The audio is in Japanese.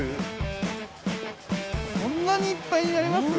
こんなにいっぱいになります？